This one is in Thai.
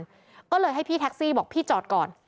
ก็เลยให้พี่แท็กซี่บอกพี่จอดก่อน